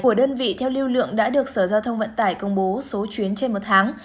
của đơn vị theo lưu lượng đã được sở giao thông vận tải công bố số chuyến trên một tháng